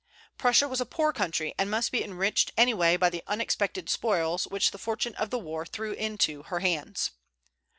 Prussia was a poor country, and must be enriched any way by the unexpected spoils which the fortune of war threw into her hands.